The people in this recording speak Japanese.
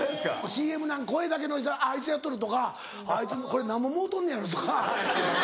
ＣＭなんか声だけの人「あいつやっとる」とか「これなんぼもろうとんのやろ」とか。